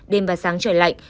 đêm và sáng trời lạnh